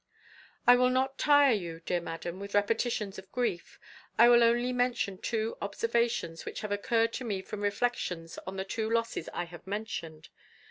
"I will not tire you, dear madam, with repetitions of grief; I will only mention two observations which have occurred to me from reflections on the two losses I have mentioned.